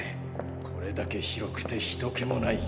これだけ広くてひとけもない。